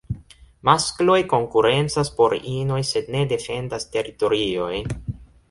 Maskloj konkurencas por inoj sed ne defendas teritoriojn.